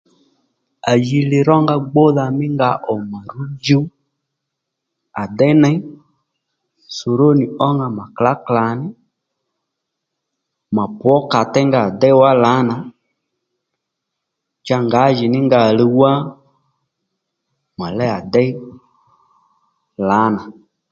À ji li rónga gbúdha mí nga ò mà ru djuw à déy ney sòrónì ónga mà klǎ klàní mà pwǒ kàtéy nga à déy lǎnà cha ngǎjìní nga òluw wá mà léy à déy lǎnà